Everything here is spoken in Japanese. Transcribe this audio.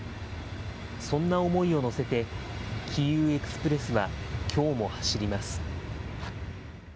そんな思いを乗せて、キーウ・エクスプレスはきょうも走ります。